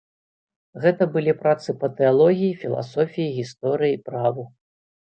Гэта былі працы па тэалогіі, філасофіі, гісторыі, праву.